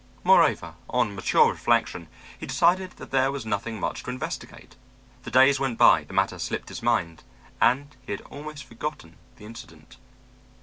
Moreover, on mature reflection, he decided that there was nothing much to investigate. The days went by, the matter slipped his mind, and he had almost forgotten the incident.